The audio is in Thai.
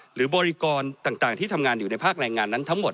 หรือบริกรต่างที่ทำงานอยู่ในภาคแรงงานนั้นทั้งหมด